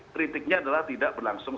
kritiknya adalah tidak berlangsung